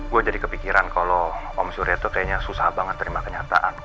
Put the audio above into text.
gue jadi kepikiran kalau om surya tuh kayaknya susah banget terima kenyataan